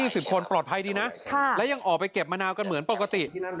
สิบคนปลอดภัยดีนะและยังออกไปเก็บมะนาวกันเหมือนปกติ